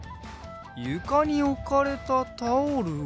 ゆかにおかれたタオルを？